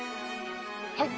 はい。